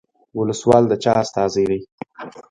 ولسوال د چا استازی دی؟